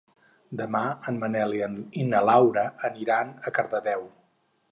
Demà en Manel i na Laura aniran a Cardedeu.